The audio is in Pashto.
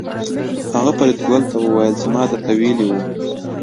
هغه فریدګل ته وویل چې ما درته ویلي وو